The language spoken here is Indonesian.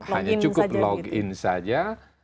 hanya cukup login saja